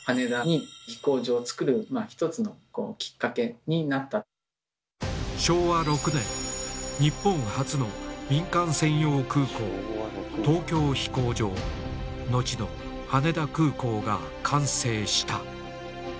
いやあった昭和６年日本初の民間専用空港「東京飛行場」後の「羽田空港」が完成した。